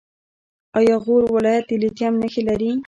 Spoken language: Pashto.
آیا غور ولایت د لیتیم نښې لري؟